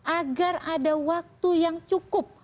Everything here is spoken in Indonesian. agar ada waktu yang cukup